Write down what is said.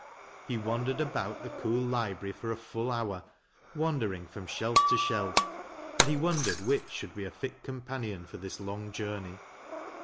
He wandered about the cool library for a full hour, wandering from shelf to shelf; and he wondered which should be a fit companion for this long journey.